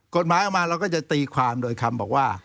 กฎหมายออกมาเราก็จะตีความโดยคำบอกว่า